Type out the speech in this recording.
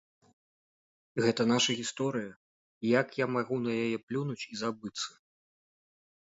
Гэта наша гісторыя, як я магу на яе плюнуць і забыцца.